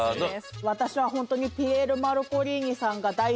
私はホントにピーエル・マルコリーニさんが。